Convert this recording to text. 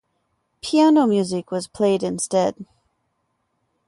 Piano music was played instead.